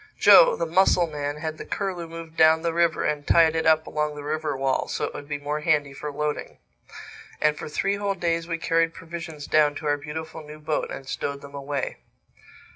Joe, the mussel man, had the Curlew moved down the river and tied it up along the river wall, so it would be more handy for loading. And for three whole days we carried provisions down to our beautiful new boat and stowed them away.